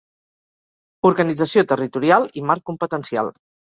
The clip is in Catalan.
Organització territorial i marc competencial.